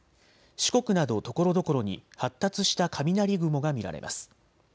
四国などところどころに発達した雷雲が見られます。